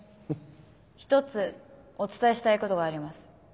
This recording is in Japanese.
一つお伝えしたいことがあります。